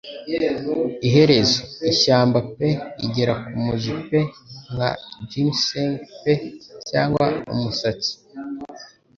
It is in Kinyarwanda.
iherezo: ishyamba pe igera kumuzi pe nka ginseng pe cyangwa umusatsi